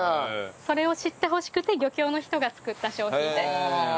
それを知ってほしくて漁協の人が作った商品です。